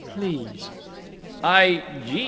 Please!" "I—gee!